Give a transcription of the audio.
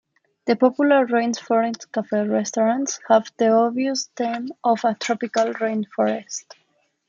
The popular Rainforest Cafe restaurants have the obvious theme of a "Tropical Rainforest".